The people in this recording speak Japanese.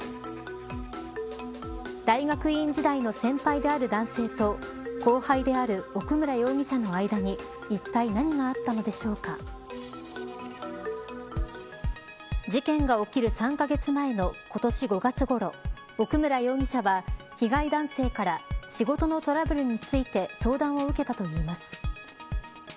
大学院時代の先輩である男性と後輩である奥村容疑者の間にいったい何があったのでしょうか事件が起きる３カ月前の今年５月ごろ、奥村容疑者は被害男性から仕事のトラブルについて相談を受けたといいます。